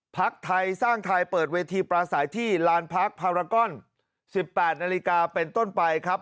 พักไทยสร้างไทยเปิดเวทีปลาสายที่ลานพักพารากอน๑๘นาฬิกาเป็นต้นไปครับ